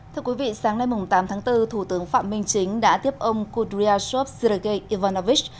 thưa quý vị sáng nay tám tháng bốn thủ tướng phạm minh chính đã tiếp ông kudryashov sergei ivanovich